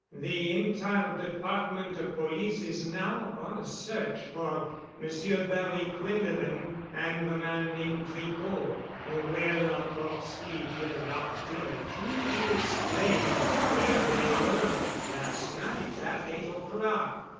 The entire department of Police is now upon a search for Monsieur Barry Quinlevin and the man named Tricot, who will, of course, be given the opportunity to explain where they were last night at eight o'clock.